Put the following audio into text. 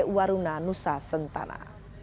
waruna nusa sentana